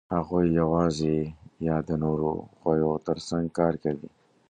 هغوی یواځې یا د نورو غویو تر څنګ کار کوي.